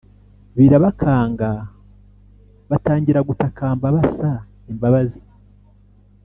birabakanga batangira gutakamba basa imbabazi